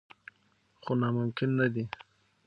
خو ناممکن نه دي.